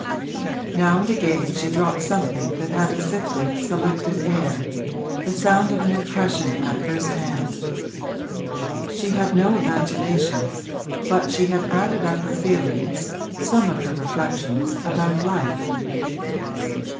Now and again she dropped something that had a sifted, selected air the sound of an impression at first hand. She had no imagination, but she had added up her feelings, some of her reflections, about life.